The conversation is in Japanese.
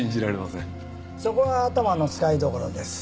そこは頭の使いどころです。